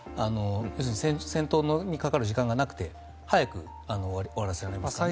要するに戦闘にかかる時間がなくて早く終わらせられますから。